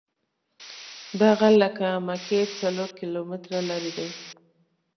دا غر له مکې څلور کیلومتره لرې دی.